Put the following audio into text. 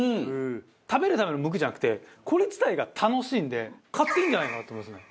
食べるためのむくじゃなくてこれ自体が楽しいんで買っていいんじゃないかなと思いますね。